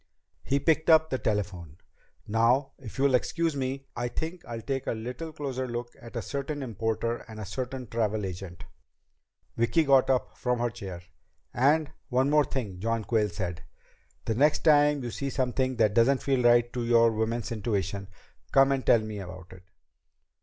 He picked up the telephone. "Now, if you'll excuse me, I think I'll take a little closer look at a certain importer and a certain travel agent." Vicki got up from her chair. "And one more thing," John Quayle said. "The next time you see something that doesn't feel right to your woman's intuition, come and tell me about it."